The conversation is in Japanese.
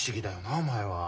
お前は。